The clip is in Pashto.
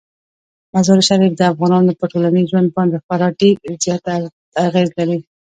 مزارشریف د افغانانو په ټولنیز ژوند باندې خورا زیات اغېز لري.